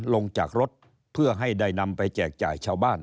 ลงจากรถเพื่อให้ได้นำไปแจกจ่ายชาวบ้าน